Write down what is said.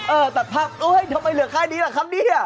เออตัดพักทำไมเหลือค่านี้คำนี้